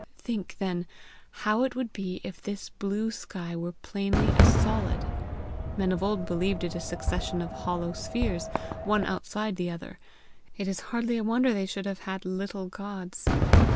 Think then how it would be if this blue sky were plainly a solid. Men of old believed it a succession of hollow spheres, one outside the other; it is hardly a wonder they should have had little gods.